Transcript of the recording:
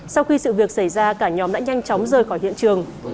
sau khi sự việc xảy ra cả nhóm đã nhanh chóng rời khỏi hiện trường